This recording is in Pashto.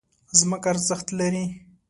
ځمکه ارزښت لري.